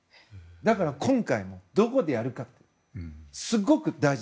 だから今回もどこでやるかすごく大事。